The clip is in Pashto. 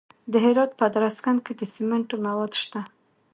د هرات په ادرسکن کې د سمنټو مواد شته.